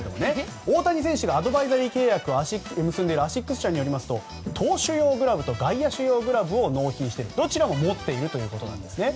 大谷選手がアドバイザリー契約を結んでいるアシックス社によりますと投手用グラブと外野手用グラブを納品しており、どちらも持っているということです。